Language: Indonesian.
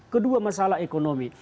kedua masalah ekonomi